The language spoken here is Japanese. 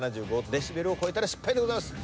デシベルを超えたら失敗でございます。